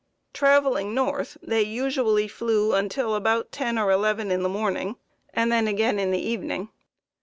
Traveling north, they usually flew until about ten or eleven in the morning and again in the evening.